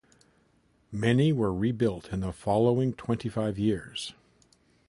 Many were rebuilt in the following twenty five years.